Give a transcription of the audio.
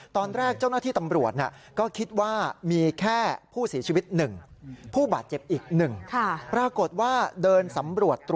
ตอนแรกเจ้าหน้าที่ตำรวจก็คิดว่า